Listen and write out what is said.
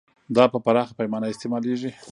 دا په پراخه پیمانه استعمالیږي.